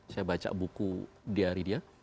saya baca buku diari dia